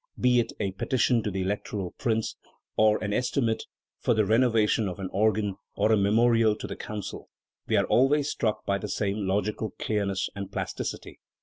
Be it a petition to the Electoral Prince, or an estimate for the renovation of an organ, or a memorial to the Council, we are always struck by the same logical clearness and plasticity.